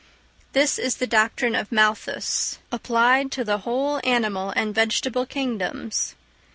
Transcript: This is the doctrine of Malthus, applied to the whole animal and vegetable kingdoms.